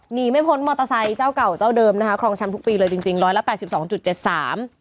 หนีไม่พ้นมอเตอร์ไซค์เจ้าเก่าเจ้าเดิมนะคะครองแชมป์ทุกปีเลยจริงจริงร้อยละแปดสิบสองจุดเจ็ดสาม